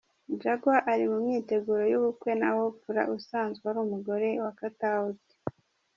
Jaguar ari mu myiteguro y’ubukwe na Oprah usanzwe ari umugore wa Katauti.